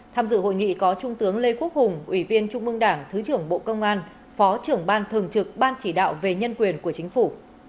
tham dự hội nghị có trung tướng lê quốc hùng ủy viên trung mương đảng thứ trưởng bộ công an phó trưởng ban thường trực ban chỉ đạo về nhân quyền của chính phủ